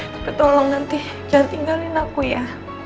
tapi tolong nanti biar tinggalin aku ya